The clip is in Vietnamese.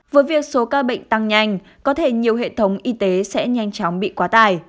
với việc số ca bệnh tăng nhanh có thể nhiều hệ thống y tế sẽ nhanh chóng bị quá tải